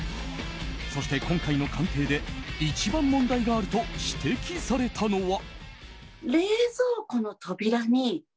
そして、今回の鑑定で一番問題があると指摘されたのは。